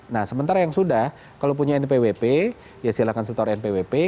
nah sementara yang sudah kalau punya npwp ya silahkan setor npwp